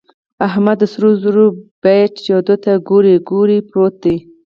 احمد د سرو زرو بيې ټيټېدو ته کوړۍ کوړۍ پروت دی.